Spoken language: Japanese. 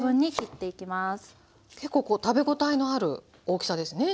結構食べ応えのある大きさですね。